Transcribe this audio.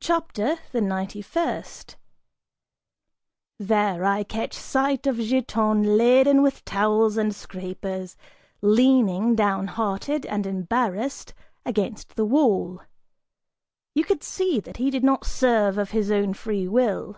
CHAPTER THE NINETY FIRST. (There) I catch sight of Giton laden with towels and scrapers, leaning, downhearted and embarrassed, against the wall. You could see that he did not serve of his own free will.